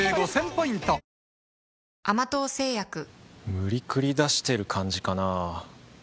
無理くり出してる感じかなぁ